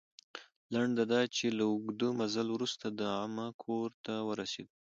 لنډه دا چې، له اوږده مزل وروسته د عمه کور ته ورسېدو.